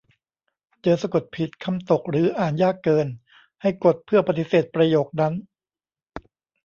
เจอสะกดผิด คำตก หรืออ่านยากเกิน ให้กด เพื่อปฏิเสธประโยคนั้น